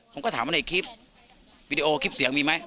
ผมก็ถามว่าในคลิปวีดีโอคลิปเสียงมีไหม